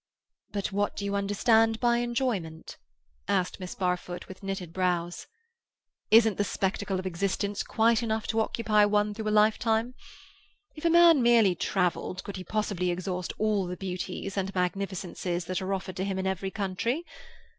"But what do you understand by enjoyment?" asked Miss Barfoot, with knitted brows. "Isn't the spectacle of existence quite enough to occupy one through a lifetime? If a man merely travelled, could he possibly exhaust all the beauties and magnificences that are offered to him in every country?